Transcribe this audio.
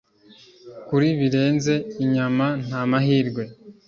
Kuri Birenze inyama nta mahirwe